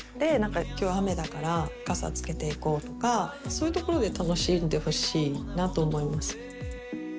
今日雨だから傘つけていこうとかそういうところで楽しんでほしいなと思います。